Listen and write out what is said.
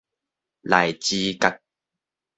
荔枝角